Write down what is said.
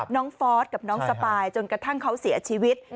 ฟอร์สกับน้องสปายจนกระทั่งเขาเสียชีวิต